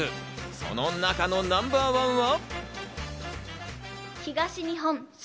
その中のナンバーワンは。